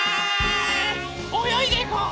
およいでいこう！